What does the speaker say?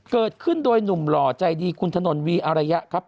เกิดขึ้นโดยหนุ่มหล่อใจดีคุณถนนวีอารยะครับ